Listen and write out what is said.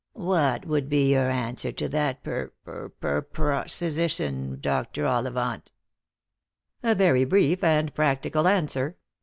What would be your answer to that per p p ropersition, Dr. Ollivant?" " A very brief and practical answer.